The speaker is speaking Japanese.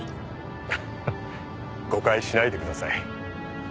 ハハ誤解しないでください。